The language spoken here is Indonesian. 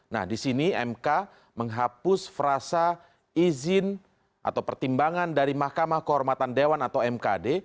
nah di sini mk menghapus frasa izin atau pertimbangan dari mahkamah kehormatan dewan atau mkd